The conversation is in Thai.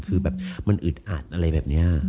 ที่มันอึดอาดอะไรแบบนี้